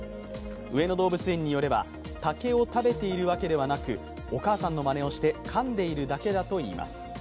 上野動物園によれば、竹を食べているわけではなく、お母さんのまねをしてかんでいるだけだといいます。